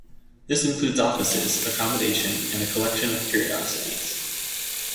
This included offices, accommodation and a collection of curiosities.